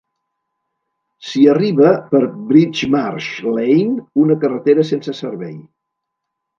S'hi arriba per Bridgemarsh Lane, una carretera sense servei.